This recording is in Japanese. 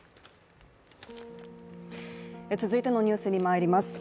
続いてのニュースにまいります。